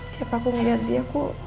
tiap aku ngeliat dia